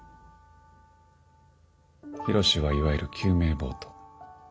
緋炉詩はいわゆる救命ボート。